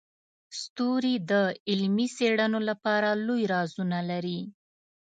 ستوري د علمي څیړنو لپاره لوی رازونه لري.